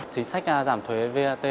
chính sách giảm thuế vat